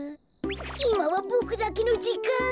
いまはボクだけのじかん。